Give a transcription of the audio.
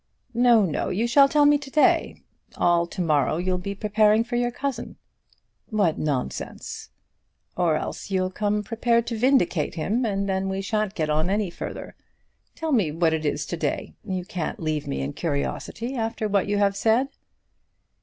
"No, no; you shall tell me to day. All to morrow you'll be preparing for your cousin." "What nonsense!" "Or else you'll come prepared to vindicate him, and then we shan't get on any further. Tell me what it is to day. You can't leave me in curiosity after what you have said."